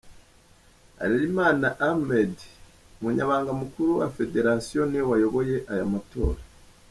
Harerimana Ahmed Umunyamabanga mukuru wa Federasiyo Niwe wayoboye aya Matora.